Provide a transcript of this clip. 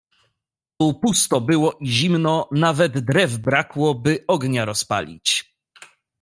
"Tu pusto było i zimno, nawet drew brakło, by ognia rozpalić."